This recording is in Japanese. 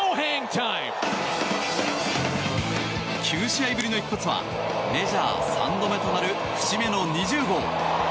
９試合ぶりの一発はメジャー３度目となる節目の２０号。